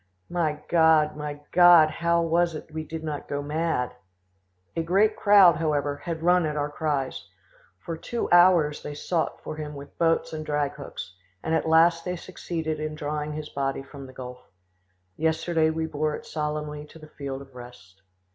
My God, my God! how was it we did not go mad? "A great crowd, however, had run at our cries. For two hours they sought far him with boats and drag hooks; and at last they succeeded in drawing his body from the gulf. Yesterday we bore it solemnly to the field of rest.